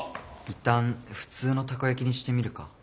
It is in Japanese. いったん普通のたこやきにしてみるか？